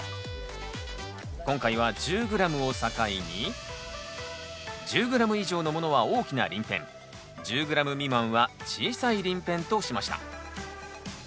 今回は１０ｇを境に１０ｇ以上のものは大きな鱗片１０ｇ未満は小さい鱗片としました。